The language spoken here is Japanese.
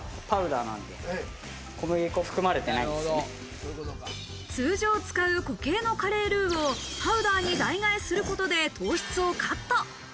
パウダーなので、通常使う固形のカレールーをパウダーに代替することで、糖質をカット。